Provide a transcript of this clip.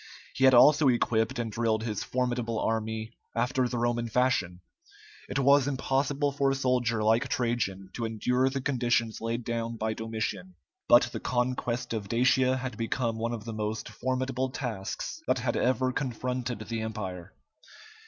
He had also equipped and drilled his formidable army after the Roman fashion. It was impossible for a soldier like Trajan to endure the conditions laid down by Domitian; but the conquest of Dacia had become one of the most formidable tasks that had ever confronted the Empire.